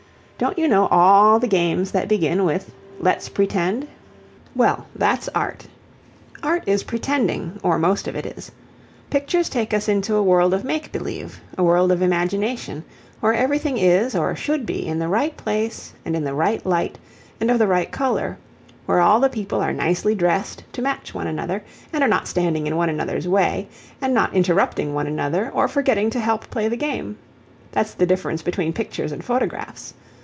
Don't you know all the games that begin with 'Let's pretend'? well, that's art. Art is pretending, or most of it is. Pictures take us into a world of make believe, a world of imagination, where everything is or should be in the right place and in the right light and of the right colour, where all the people are nicely dressed to match one another, and are not standing in one another's way, and not interrupting one another or forgetting to help play the game. That's the difference between pictures and photographs.